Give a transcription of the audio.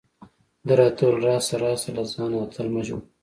ده راته وویل: راشه راشه، له ځانه اتل مه جوړه.